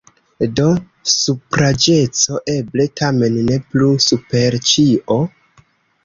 Do supraĵeco eble tamen ne plu super ĉio?